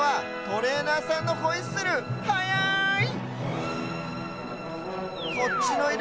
トレーナーさんのホイッスルチェアすごい！